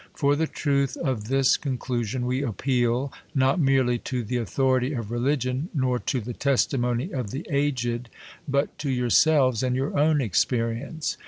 For the truth of this con clusion, we appeal, not merely to th authority of re ligion, nor to the testimony of the aged, but to your selves and your own experience.